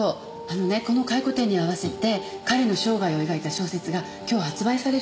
あのねこの回顧展に合わせて彼の生涯を描いた小説が今日発売されるんです。